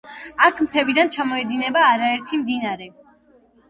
აქ მთებიდან ჩამოედინება არაერთი მდინარე.